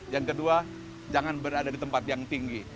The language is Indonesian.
yang kedua jangan berada di tempat yang tinggi